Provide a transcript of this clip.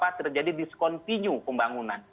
yang itu terjadi diskontinu pembangunan